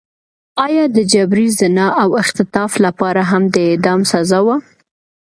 د جبري زنا او اختطاف لپاره هم د اعدام سزا وه.